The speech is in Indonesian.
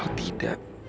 karena kalau tidak